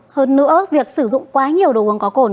hơn nữa việc sử dụng quá nhiều đồ uống có cồn